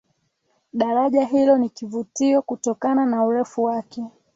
Daraja hilo ni kivutio kutokana na urefu wake